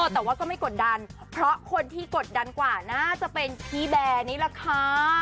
แต่ว่าก็ไม่กดดันเพราะคนที่กดดันกว่าน่าจะเป็นพี่แบร์นี่แหละค่ะ